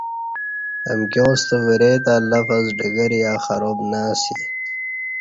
"امکیاں ستہ ورے تہ لفظ ڈگر یا خراب"" نہ اسی"